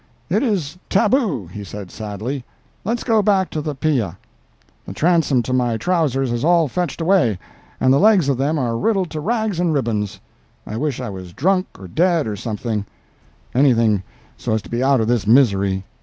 "It is tabu," he said, sadly. "Let's go back to the pia. The transom to my trowsers has all fetched away, and the legs of them are riddled to rags and ribbons. I wish I was drunk, or dead, or something—anything so as to be out of this misery."